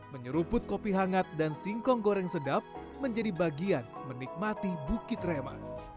menyeruput kopi hangat dan singkong goreng sedap menjadi bagian menikmati bukit rema